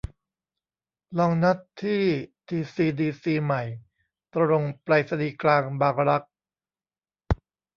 ลองนัดที่ทีซีดีซีใหม่ ตรงไปรษณีย์กลาง บางรัก